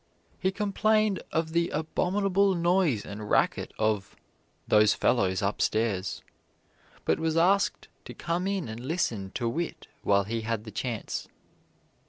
He complained of the abominable noise and racket of "those fellows upstairs," but was asked to come in and listen to wit while he had the chance.